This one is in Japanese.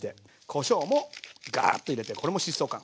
こしょうもガーッと入れてこれも疾走感。